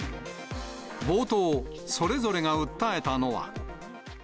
冒頭、それぞれが訴えたのは。